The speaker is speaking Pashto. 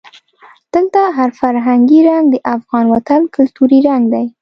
دلته هر فرهنګي رنګ د افغان وطن کلتوري رنګ دی.